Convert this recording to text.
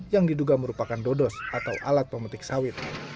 yang diduga merupakan dodos atau alat pemetik sawit